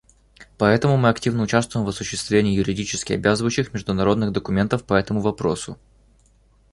Поэтому мы активно участвуем в осуществлении юридически обязывающих международных документов по этому вопросу.